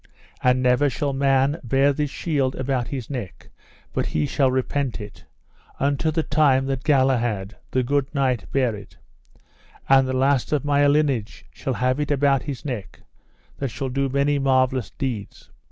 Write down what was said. And never shall man bear this shield about his neck but he shall repent it, unto the time that Galahad, the good knight, bear it; and the last of my lineage shall have it about his neck, that shall do many marvellous deeds.